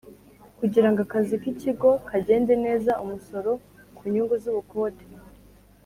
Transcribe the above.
Kugira ngo akazi k ikigo kagende neza umusoro ku nyungu z ubukode